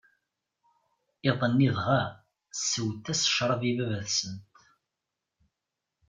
Iḍ-nni dɣa, sswent-as ccṛab i Baba-tsent.